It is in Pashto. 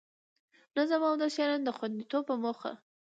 نظم او د ښاريانو د خوندیتوب په موخه